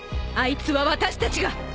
あいつは私たちが！